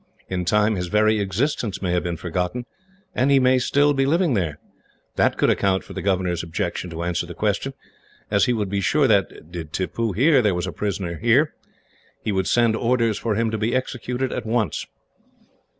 In time, his very existence may have been forgotten, and he may still be living there. That would account for the governor's objection to answering the question, as he would be sure that, did Tippoo hear there was a prisoner there, he would send orders for him to be executed at once.